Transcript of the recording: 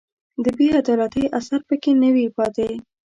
د بې عدالتۍ اثر په کې نه وي پاتې